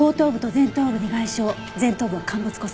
前頭部は陥没骨折。